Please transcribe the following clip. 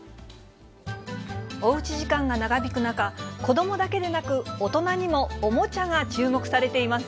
おうち時間が長引く中、子どもだけでなく、大人にもおもちゃが注目されています。